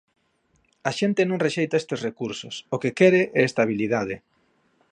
A xente non rexeita estes recursos, o que quere é estabilidade.